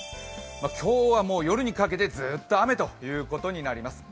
今日はもう夜にかけて、ずっと雨ということになります。